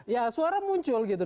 ya suara muncul gitu